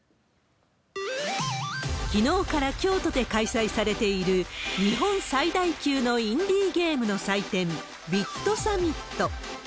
きのうから京都で開催されている日本最大級のインディーゲームの祭典、ビットサミット。